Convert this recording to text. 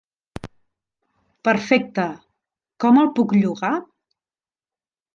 Perfecte, com el puc llogar?